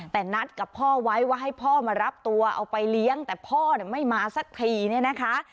แต่นัดกับพ่อไว้ว่าให้พ่อมารับตัวเอาไปเลี้ยงแต่พ่อไม่มาสักทีเนี่ยนะคะ